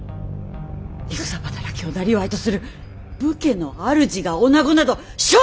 戦働きをなりわいとする武家の主が女子など笑止千万！